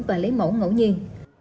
và lấy mẫu ngẫu nhiên